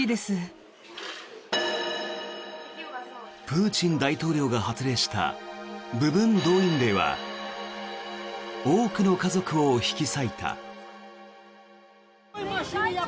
プーチン大統領が発令した部分動員令は多くの家族を引き裂いた。